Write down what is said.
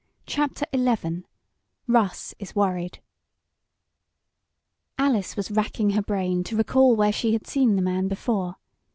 CHAPTER XI RUSS IS WORRIED Alice was racking her brain to recall where she had seen the man before.